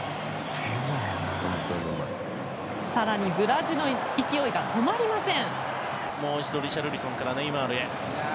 更に、ブラジルの勢いが止まりません。